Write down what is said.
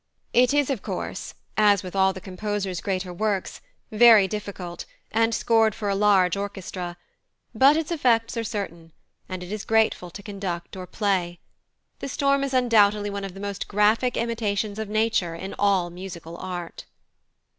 It is, of course, as with all the composer's greater works, very difficult, and scored for a large orchestra; but its effects are certain, and it is grateful to conduct or play. The storm is undoubtedly one of the most graphic imitations of Nature in all musical art.